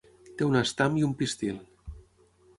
Té un estam i un pistil.